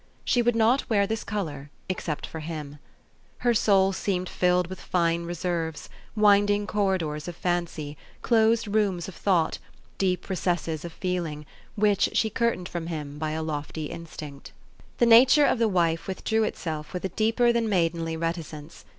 She would not wear this color except for him. Her soul seemed filled with fine reserves, winding corridors of fancy, closed rooms of thought, deep recesses of feeling, which she curtained from him by a lofty instinct. The nature of the wife withdrew itself with a deeper than maidenly reticence.